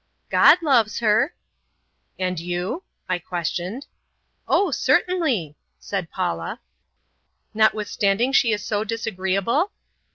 "God loves her!" "And you?" I questioned. "Oh, certainly," said Paula. "Notwithstanding she is so disagreeable?"